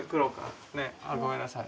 あごめんなさい。